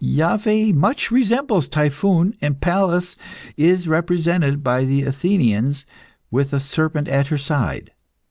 Iaveh much resembles Typhoon, and Pallas is represented by the Athenians with a serpent at her side.